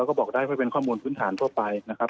แล้วก็บอกได้ว่าเป็นข้อมูลพื้นฐานทั่วไปนะครับ